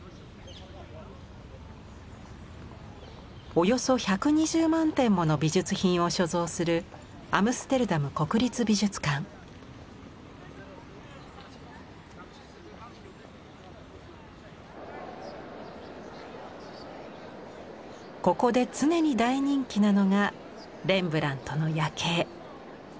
およそ１２０万点もの美術品を所蔵するここで常に大人気なのがレンブラントの「夜警」。